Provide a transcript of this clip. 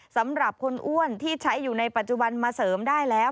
สำหรับคนอ้วนที่ใช้อยู่ในปัจจุบันมาเสริมได้แล้ว